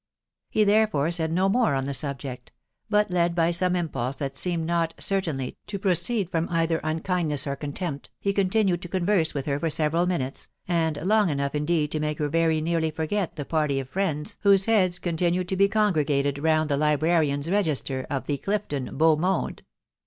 He therefore said no more on the subject ; but, led by some impulse that seemed not, cer tainly, to proceed from either unkindness or contempt, he con tinued to converse with her for several minutes, and long enough indeed to make her very nearly forget the party of friends whose heads continued to be congregated round the librarian's register of the Clifton beau monde.